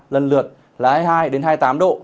lần lượt là hai mươi hai hai mươi tám độ